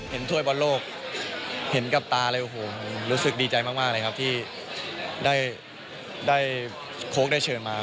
ถ้วยบอลโลกเห็นกับตาเลยโอ้โหรู้สึกดีใจมากเลยครับที่ได้โค้กได้เชิญมา